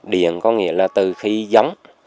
điện có nghĩa là từ khi giống